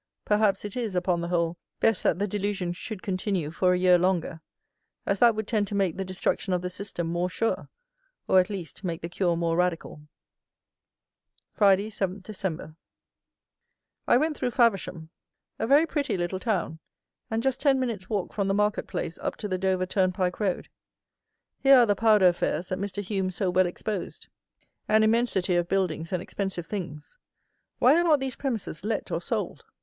Perhaps it is, upon the whole, best that the delusion should continue for a year longer; as that would tend to make the destruction of the system more sure, or, at least, make the cure more radical. Friday, 7 Dec. I went through Faversham. A very pretty little town, and just ten minutes' walk from the market place up to the Dover turnpike road. Here are the powder affairs that Mr. HUME so well exposed. An immensity of buildings and expensive things. Why are not these premises let or sold?